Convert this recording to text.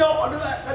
đóng hết cả